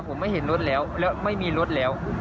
ผมไม่เห็นรถแล้วแล้วไม่มีรถแล้ว